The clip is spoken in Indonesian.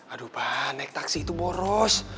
aduh pak naik taksi itu boros